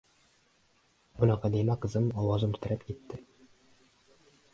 Unaqa dema, qizim! - Ovozim titrab ketdi.